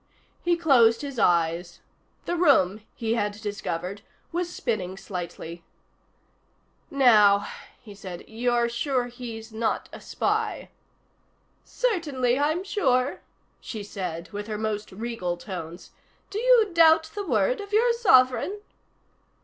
He closed his eyes. The room, he had discovered, was spinning slightly. "Now," he said, "you're sure he's not a spy?" "Certainly I'm sure," she said, with her most regal tones. "Do you doubt the word of your sovereign?"